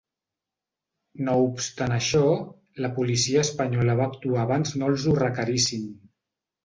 No obstant això, la policia espanyola va actuar abans no els ho requerissin.